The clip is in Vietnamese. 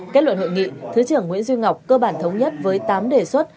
kết luận hội nghị thứ trưởng nguyễn duy ngọc cơ bản thống nhất với tám đề xuất